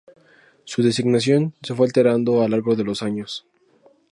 Su designación se fue alterando al largo de los años.